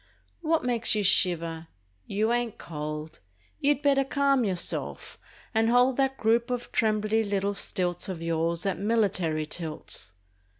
What makes you shiver? You ain't cold! You'd better calm yourself and hold That group of trembly little stilts Of yours at military tilts!